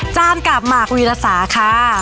จานกราบหมักวีลสาคา